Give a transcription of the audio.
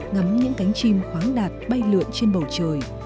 ngắm những cánh chim khoáng đạt bay lượn trên bầu trời